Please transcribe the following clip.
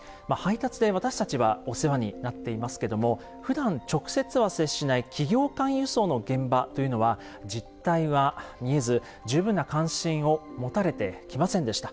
まあ配達で私たちはお世話になっていますけどもふだん直接は接しない企業間輸送の現場というのは実態は見えず十分な関心を持たれてきませんでした。